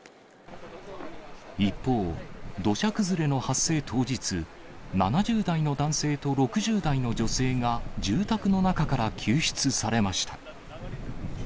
一方、土砂崩れの発生当日、７０代の男性と６０代の女性が、住宅の中から救出されました。